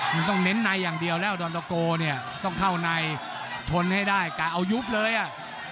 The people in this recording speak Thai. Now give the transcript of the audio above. มันต้องเน้นในอย่างเดียวแล้วดอนตะโกเนี่ยต้องเข้าในชนให้ได้กะเอายุบเลยอ่ะ